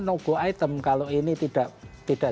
no go item kalau ini tidak